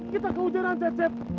kita kewujudan cecep